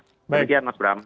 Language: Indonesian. terima kasih anas bram